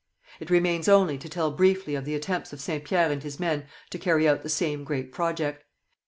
It remains only to tell briefly of the attempts of Saint Pierre and his men to carry out the same great project.